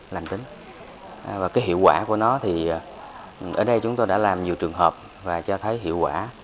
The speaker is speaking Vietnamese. lành tính và cái hiệu quả của nó thì ở đây chúng tôi đã làm nhiều trường hợp và cho thấy hiệu quả